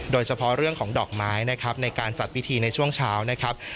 โดยเฉพาะเรื่องของดอกไม้นะครับในการจัดพิธีในช่วงเช้านะครับ